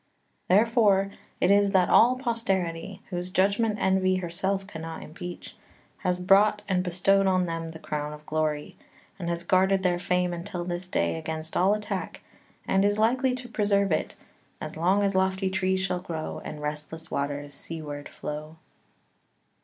Therefore it is that all posterity, whose judgment envy herself cannot impeach, has brought and bestowed on them the crown of glory, has guarded their fame until this day against all attack, and is likely to preserve it "As long as lofty trees shall grow, And restless waters seaward flow."